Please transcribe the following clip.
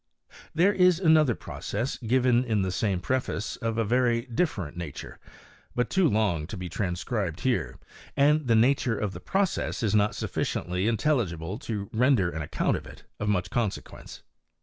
There is another process given in the same preface of a very different nature, but too long to be tran scribed here, and the nature of the process is not suf ficiently intelligible to render an account of it of much consequence.